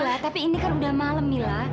mila tapi ini kan udah malem mila